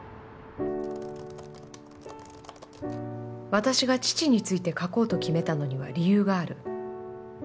「私が父について書こうと決めたのには理由がある。